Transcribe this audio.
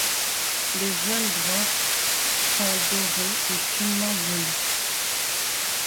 Les jeunes branches sont dorées et finement velues.